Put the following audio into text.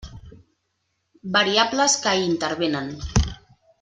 Variables que hi intervenen.